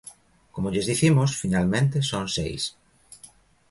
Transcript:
Como lles dicimos finalmente son seis.